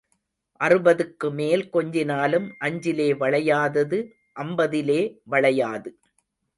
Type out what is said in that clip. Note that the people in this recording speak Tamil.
அறுபதுக்குமேல் கொஞ்சினாலும் அஞ்சிலே வளையாதது அம்பதிலே வளையாது.